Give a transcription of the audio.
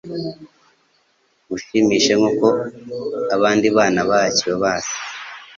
ngushimishe nk'uko abandi bana bahakiwe base